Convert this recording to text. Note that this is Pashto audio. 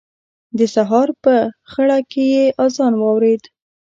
د سهار په خړه کې يې اذان واورېد.